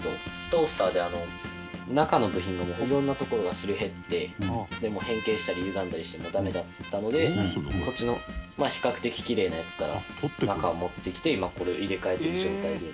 トースターで、中の部品のいろんな所がすり減って変形したり、ゆがんだりしてダメだったのでこっちの比較的キレイなやつから中を持ってきて今、これを入れ替えてる状態で。